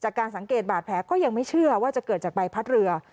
การสังเกตบาดแผลก็ยังไม่เชื่อว่าจะเกิดจากใบพัดเรือ